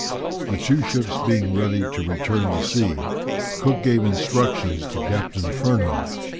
] The two ships being ready to return to sea, Cook gave instructions to Captain Furneaux.